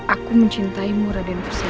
aku mencintaimu raden fursi